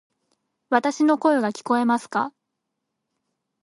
わたし（の声）が聞こえますか？